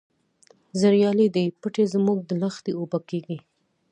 زریالي دي پټی زموږ په لښتي اوبه کیږي.